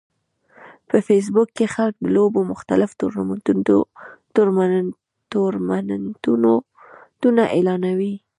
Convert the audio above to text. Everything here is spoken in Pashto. په فېسبوک کې خلک د لوبو مختلف ټورنمنټونه اعلانوي